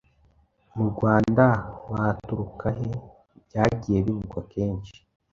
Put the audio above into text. mu Rwanda baturukahe?? Byagiye bivugwa kenshi